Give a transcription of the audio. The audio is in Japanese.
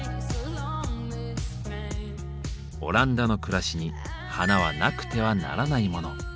オランダの暮らしに花はなくてはならないモノ。